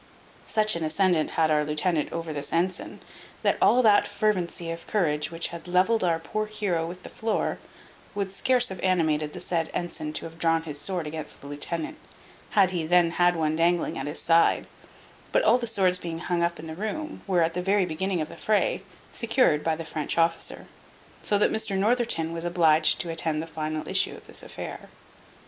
Such an ascendant had our lieutenant over this ensign, that all that fervency of courage which had levelled our poor heroe with the floor, would scarce have animated the said ensign to have drawn his sword against the lieutenant, had he then had one dangling at his side: but all the swords being hung up in the room, were, at the very beginning of the fray, secured by the French officer. So that Mr Northerton was obliged to attend the final issue of this affair.